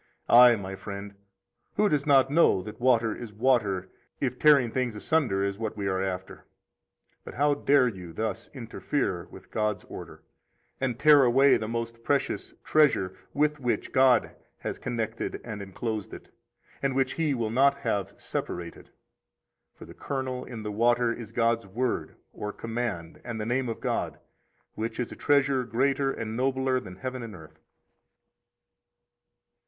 16 Aye, my friend, who does not know that water is water if tearing things asunder is what we are after? But how dare you thus interfere with God's order, and tear away the most precious treasure with which God has connected and enclosed it, and which He will not have separated? For the kernel in the water is God's Word or command and the name of God, which is a treasure greater and nobler than heaven and earth.